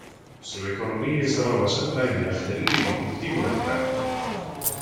Su economía estaba basada en la ganadería y el cultivo de grano.